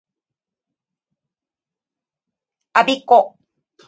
我孫子